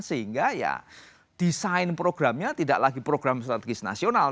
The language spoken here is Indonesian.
sehingga ya desain programnya tidak lagi program strategis nasional